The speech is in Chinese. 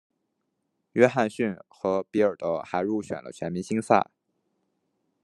约翰逊和比尔德还入选了全明星赛。